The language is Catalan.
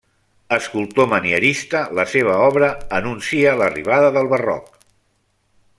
Escultor manierista, la seva obra anuncia l'arribada del barroc.